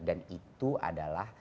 dan itu adalah